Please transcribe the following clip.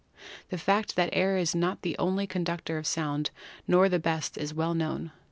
The fact that air is not the only conductor of sound nor the best is well known.